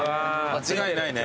間違いないね。